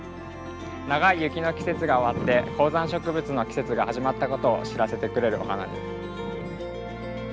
長い雪の季節が終わって高山植物の季節が始まったことを知らせてくれるお花です。